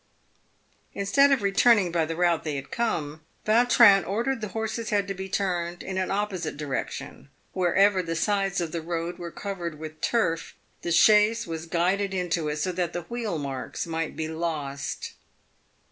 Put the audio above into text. Instead of returning by the route they had come, Vautrin ordered the horse's head to be turned in an opposite direction. Wherever the sides of the road were covered with turf, the chaise was guided into it, so that the wheel marks might be lost.